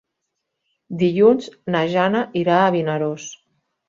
Dilluns na Jana irà a Vinaròs.